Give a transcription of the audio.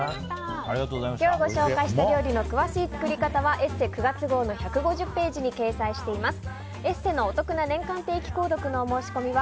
今日ご紹介した料理の詳しい作り方は「ＥＳＳＥ」９月号の１５０ページに掲載しています。